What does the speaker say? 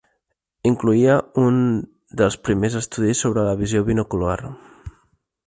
Incloïa un dels primers estudis sobre la visió binocular.